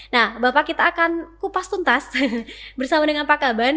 nah bapak kita akan kupas tuntas bersama dengan pak kaban